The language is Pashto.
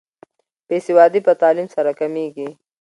بې سوادي په تعلیم سره کمیږي.